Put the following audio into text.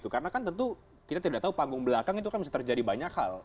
karena kan tentu kita tidak tahu panggung belakang itu kan bisa terjadi banyak hal